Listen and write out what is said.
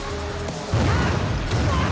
あっ！